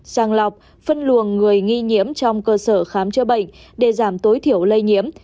sàng lọc phân luồng người nghi nhiễm trong cơ sở khám chữa bệnh để giảm tối thiểu lây nhiễm